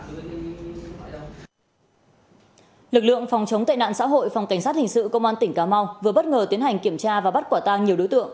lực lượng phòng chống tệ nạn xã hội phòng cảnh sát hình sự công an tỉnh cà mau vừa bất ngờ tiến hành kiểm tra và bắt quả tang nhiều đối tượng